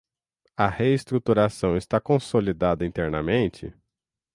a reestruturação está consolidada internamente?